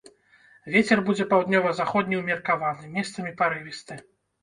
Вецер будзе паўднёва-заходні ўмеркаваны, месцамі парывісты.